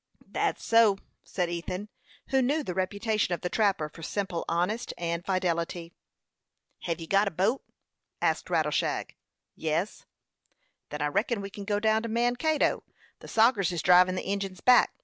"Thet's so," said Ethan, who knew the reputation of the trapper for simple honesty and fidelity. "Hev you got a boat?" asked Rattleshag. "Yes." "Then I reckon we kin go down to Mankato. The sogers is drivin' the Injins back.